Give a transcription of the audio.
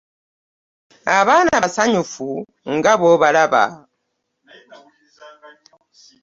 Abaana basanyufu nga bw'olaba.